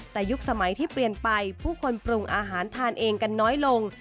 แต่ยุคสมัยที่เปลี่ยนไปผู้คนปรุงอาหารทานเองกันน้อยลง